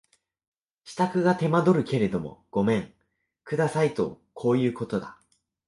支度が手間取るけれどもごめん下さいとこういうことだ